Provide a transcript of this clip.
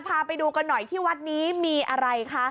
พาไปดูกันหน่อยที่วัดนี้มีอะไรคะ